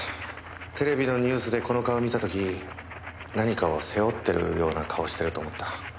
テレビのニュースでこの顔見た時何かを背負ってるような顔してると思った。